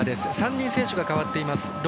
３人選手が代わっています。